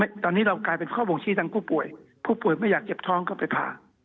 ตอนนี้เรากลายเป็นข้อบ่งชี้ทางผู้ป่วยผู้ป่วยไม่อยากเจ็บท้องก็ไปผ่า